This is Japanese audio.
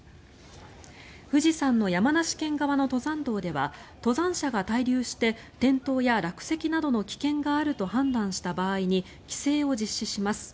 富士山の山梨県側の登山道では登山者が滞留して転倒や落石などの危険があると判断した場合に規制を実施します。